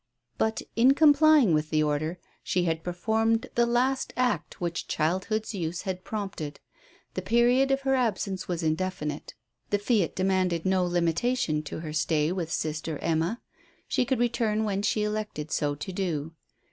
But in complying with the order she had performed the last act which childhood's use had prompted. The period of her absence was indefinite. The fiat demanded no limitation to her stay with "sister" Emma. She could return when she elected so to do.